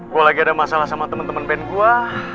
gue lagi ada masalah sama temen temen band gue